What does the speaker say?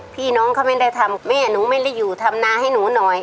พี่น้องเขาไม่ได้ทำแม่หนูไม่ได้อยู่ทำนาให้หนูหน่อย